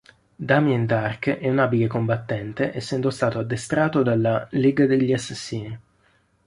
Damien Darhk è un abile combattente essendo stato addestrato dalla "Lega degli Assassini".